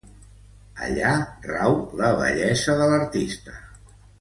Allà rau la bellesa de l'artista.